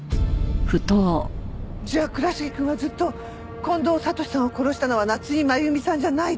じゃあ倉重くんはずっと近藤悟史さんを殺したのは夏井真弓さんじゃないって？